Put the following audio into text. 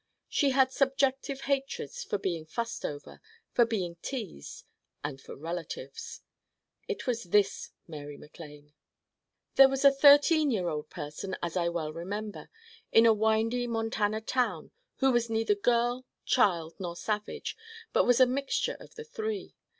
She had subjective hatreds for being fussed over, for being teased and for relatives. It was this Mary MacLane. There was a thirteen year old person, as I well remember, in a windy Montana town, who was neither girl, child nor savage but was a mixture of the three.